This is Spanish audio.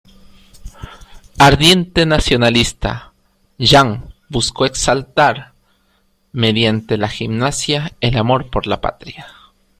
Ardiente nacionalista, Jahn buscó exaltar mediante la gimnasia el amor por la patria.